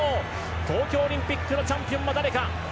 東京オリンピックのチャンピオンは誰か。